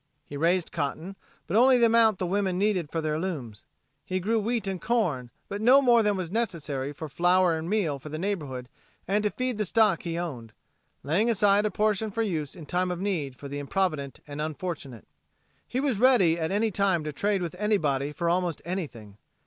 He raised cotton, but only the amount the women needed for their looms. He grew wheat and corn, but no more than was necessary for flour and meal for the neighborhood and to feed the stock he owned, laying aside a portion for use in time of need for the improvident and unfortunate. He was ready at any time to trade with anybody for almost anything.